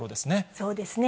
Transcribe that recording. そうですね。